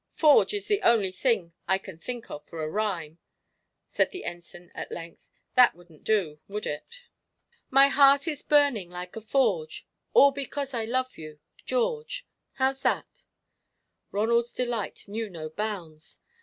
"'Forge' is the only thing I can think of for a rhyme," said the Ensign, at length; "that wouldn't do, would it?" "My heart is burning like a forge, All because I love you George." "How's that?" Ronald's delight knew no bounds.